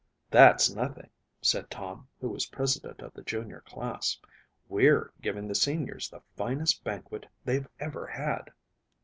"That's nothing," said Tom, who was president of the junior class. "We're giving the seniors the finest banquet they've ever had."